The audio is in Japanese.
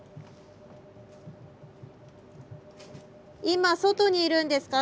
今外にいるんですか？